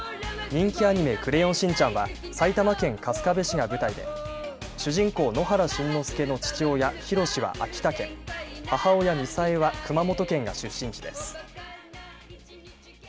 人気アニメ、クレヨンしんちゃんは埼玉県春日部市が舞台で主人公、野原しんのすけの父親、ひろしは秋田県、母親、みさえは熊本県が出身地です。